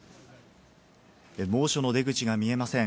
猛暑の出口が見えません。